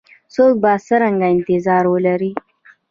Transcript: څوک به څرنګه انتظار ولري؟